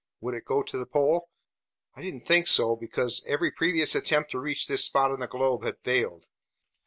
Would it go to the pole? I didn't think so, because every previous attempt to reach this spot on the globe had failed.